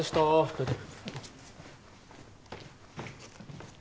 どいて。